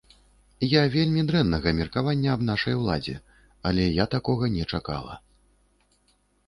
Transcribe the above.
Я вельмі дрэннага меркавання аб нашай уладзе, але я такога не чакала.